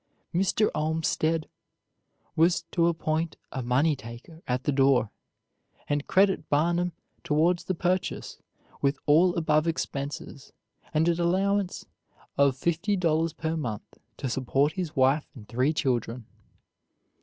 Mr. Olmstead was to appoint a money taker at the door, and credit Barnum towards the purchase with all above expenses and an allowance of fifty dollars per month to support his wife and three children.